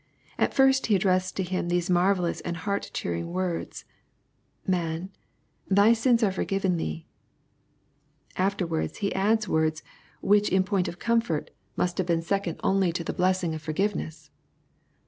At first he addressed to him those marvellous and heart cheering words, " Man, thy sins are forgiven thee." Afterwards he adds words, which in point of comfort, must have been second only to A 144 EXPOSITORY THOUGHTS. ihe blessing of forgiveness.